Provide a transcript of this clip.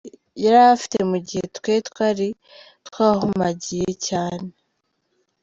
yari afite mu gihe twe twari twahumagiye cyane.